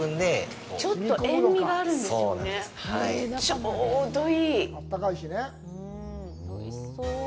ちょうどいい。